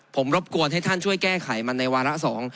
ผมรบกวนให้ท่านช่วยแก้ไขมันในวาระสอง